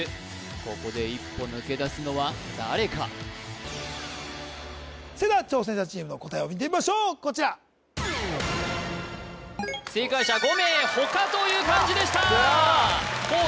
ここで一歩抜け出すのは誰かそれでは挑戦者チームの答えを見てみましょうこちら正解者５名「他」という漢字でしたこう